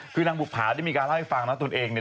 คือนางบุภาได้มีการเล่าให้ฟังนะตนเองเนี่ย